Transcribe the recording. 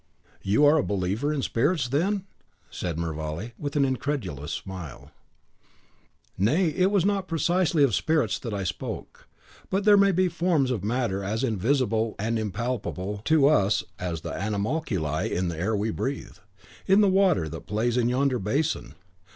"You are a believer in spirits, then?" said Mervale, with an incredulous smile. "Nay, it was not precisely of spirits that I spoke; but there may be forms of matter as invisible and impalpable to us as the animalculae in the air we breathe, in the water that plays in yonder basin.